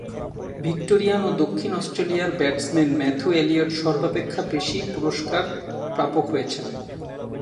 Victorian ও দক্ষিণ অস্ট্রেলিয়ার ব্যাটসম্যান ম্যাথু এলিয়ট সর্বাপেক্ষা বেশি পুরস্কার প্রাপক হয়েছেন।